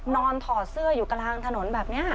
ถอดเสื้ออยู่กลางถนนแบบนี้